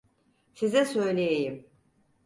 Size söyleyeyim.